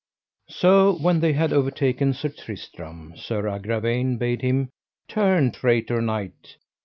So when they had overtaken Sir Tristram, Sir Agravaine bade him: Turn, traitor knight.